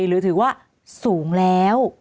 หรือถือว่าสูงแล้ว